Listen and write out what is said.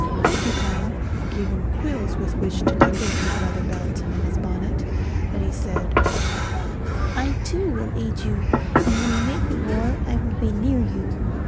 Porcupine gave him quills with which to decorate his leather belt and his bonnet, and he said, "I too will aid you, and when you make war I will be near you.